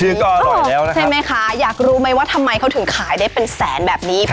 อร่อยแล้วนะคะใช่ไหมคะอยากรู้ไหมว่าทำไมเขาถึงขายได้เป็นแสนแบบนี้